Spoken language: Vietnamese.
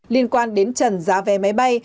liên quan đến trần giá vé máy bay